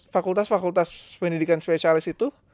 fakultas fakultas pendidikan spesialis itu